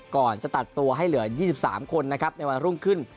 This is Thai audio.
ก่อนจะตัดตัวให้เหลือ๒๓คนนะครับในวันรุ่งขึ้น